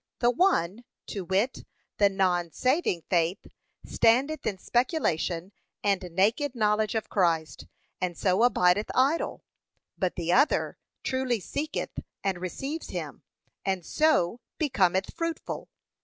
The one, to wit, the non saving faith, standeth in speculation and naked knowledge of Christ, and so abideth idle: but the other truly seeth and receives him, and so becometh fruitful.